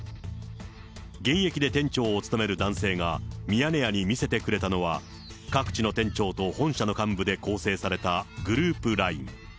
現役で店長を務める男性が、ミヤネ屋に見せてくれたのは、各地の店長と本社の幹部で構成されたグループＬＩＮＥ。